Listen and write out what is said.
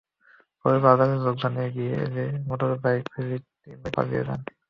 পরে বাজারের লোকজন এগিয়ে এলে মোটরসাইকেল ফেলে তিন ভাই পালিয়ে যান।